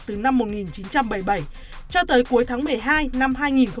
từ năm một nghìn chín trăm bảy mươi bảy cho tới cuối tháng một mươi hai năm hai nghìn một mươi bảy